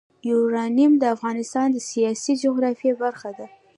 یورانیم د افغانستان د سیاسي جغرافیه برخه ده.